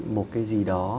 một cái gì đó